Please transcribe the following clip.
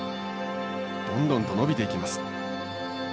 どんどんと伸びていきます。